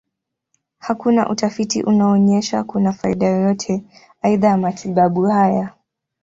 Hakuna utafiti unaonyesha kuna faida yoyote aidha ya matibabu haya.